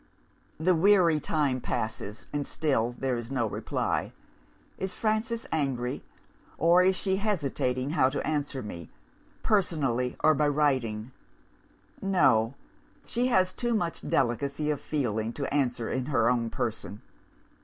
"The weary time passes, and still there is no reply. Is Frances angry? or is she hesitating how to answer me personally or by writing? No! she has too much delicacy of feeling to answer in her own person.